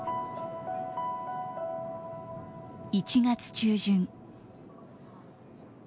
１月中旬。